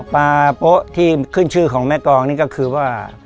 ปลาโป๊ะที่ขึ้นชื่อของแม่กองนี่ก็คือว่า